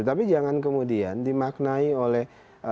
tapi jangan kemudian dimaknai oleh